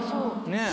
ねえ。